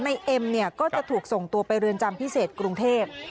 เอ็มเนี่ยก็จะถูกส่งตัวไปเรือนจำพิเศษกรุงเทพ